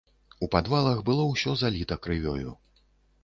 У падвалах было ўсё заліта крывёю.